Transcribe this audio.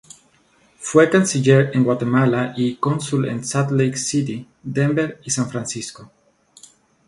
Fue canciller en Guatemala y cónsul en Salt Lake City, Denver y San Francisco.